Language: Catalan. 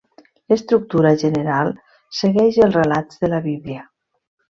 L'estructura general segueix els relats de la Bíblia.